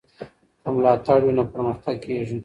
که ملاتړ وي نو پرمختګ کېږي.